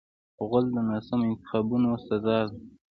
غول د ناسمو انتخابونو سزا ده.